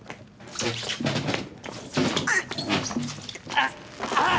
あっあぁ！